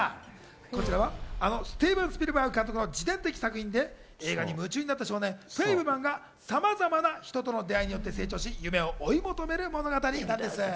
こちらは、あのスティーヴン・スピルバーグ監督の自伝的作品で、映画に夢中になった少年・フェイブルマンがさまざまな人々との出会いによって成長し、夢を追い求める物語なんです。